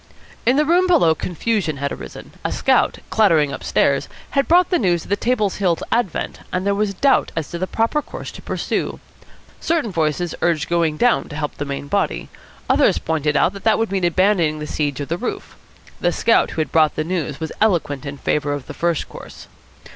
In the room below confusion had arisen. A scout, clattering upstairs, had brought the news of the Table Hillites' advent, and there was doubt as to the proper course to pursue. Certain voices urged going down to help the main body. Others pointed out that that would mean abandoning the siege of the roof. The scout who had brought the news was eloquent in favour of the first course.